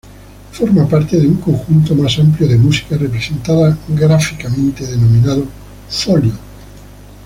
Forma parte de un conjunto más amplio de música representada gráficamente denominado "Folio".